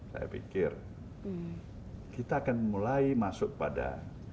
saya pikir kita akan mulai masuk pada